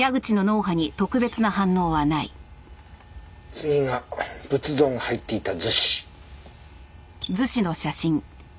次が仏像が入っていた厨子。